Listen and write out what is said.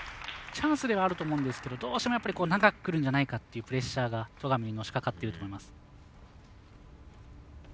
チャンスではあると思うんですがどうしても長くくるんじゃないかというプレッシャーが戸上に、のしかかっていると思います。